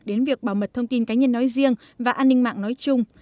đến việc bảo mật thông tin cá nhân nói riêng và an ninh mạng nói chung